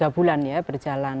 tiga bulan ya berjalan